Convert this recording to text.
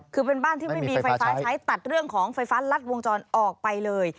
คือเป็นบ้านที่ไม่มีไฟฟ้าใช้ตัดเรื่องของไฟฟ้ารัดวงจรออกไปเลย